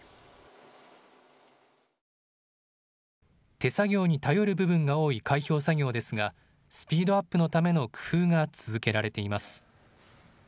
手作業に頼る部分が多い開票作業ですがスピードアップのための工夫が続けられています。